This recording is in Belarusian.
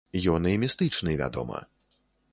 Ён і містычны, вядома.